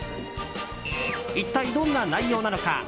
一体、どんな内容なのか。